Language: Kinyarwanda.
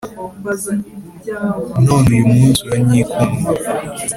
None uyu munsi uranyikomye